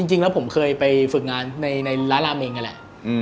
จริงแล้วผมเคยไปฝึกงานในร้านราเมงนั่นแหละ